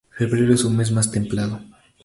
Febrero es su mes más templado.